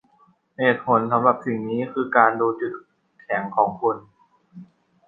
เหตุผลสำหรับสิ่งนี้คือการดูจุดแข็งของคุณ